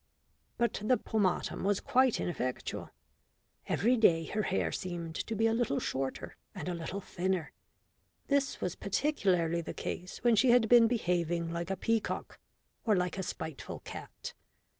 But the pomatum was quite ineffectual. Every day her hair seemed to be a little shorter and a little thinner. This was particularly the case when she had been behaving like a peacock or like a spiteful cat.